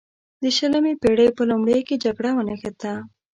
د شلمې پیړۍ په لومړیو کې جګړه ونښته.